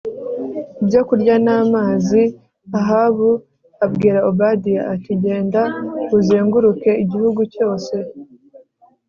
ibyokurya n amazi l Ahabu abwira Obadiya ati genda uzenguruke igihugu cyose